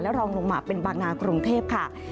รองลงมาเป็นบางนากรุงเทพค่ะ